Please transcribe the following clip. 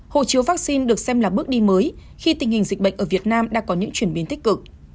hồ chứa vaccine được xem là bước đi mới khi tình hình dịch bệnh ở việt nam đã có những chuyển biến tích cực